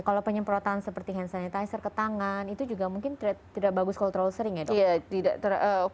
kalau penyemprotan seperti hand sanitizer ke tangan itu juga mungkin tidak bagus kalau terlalu sering ya